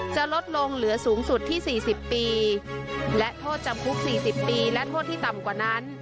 จะลดลงเหลือสูงสุดที่๔๐ปีและโทษจำคุก๔๐ปีและโทษที่ต่ำกว่านั้น